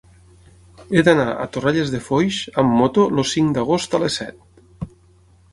He d'anar a Torrelles de Foix amb moto el cinc d'agost a les set.